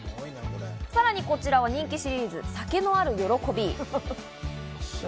さらにこちらは人気シリーズ・酒のある悦び。